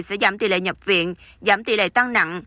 sẽ giảm tỷ lệ nhập viện giảm tỷ lệ tăng nặng